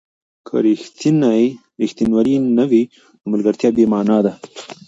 که ریښتینولي نه وي، نو ملګرتیا بې مانا ده.